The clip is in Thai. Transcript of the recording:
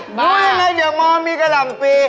กับเลยว่าดังนั้นเดอะมอร์มีกะลำปรี